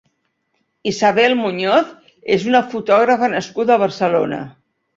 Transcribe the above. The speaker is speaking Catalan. Isabel Muñoz és una fotògrafa nascuda a Barcelona.